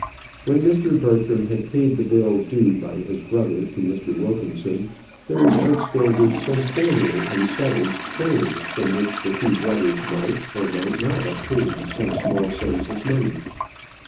When Mr. Bertram had paid the bill due by his brother to Mr. Wilkinson, there was outstanding some family unsettled claim from which the two brothers might, or might not, obtain some small sums of money.